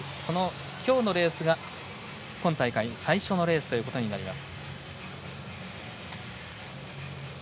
きょうのレースが今大会最初のレースということになります。